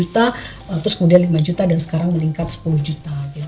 terus kemudian lima juta dan sekarang meningkat sepuluh juta